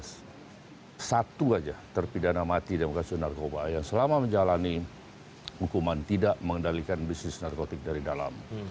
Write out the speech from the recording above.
ada satu aja terpidana mati demokrasi narkoba yang selama menjalani hukuman tidak mengendalikan bisnis narkotik dari dalam